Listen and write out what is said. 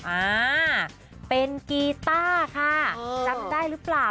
อ่าเป็นกีต้าค่ะจำได้หรือเปล่า